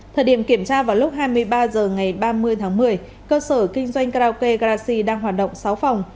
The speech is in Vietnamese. thời điểm kiểm tra vào lúc hai mươi ba h ngày ba mươi tháng một mươi cơ sở kinh doanh karaoke garaxi đang hoạt động sáu phòng